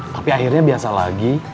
tapi akhirnya biasa lagi